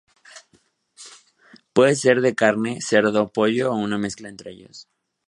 Puede ser de carne, cerdo, pollo o una mezcla entre ellos.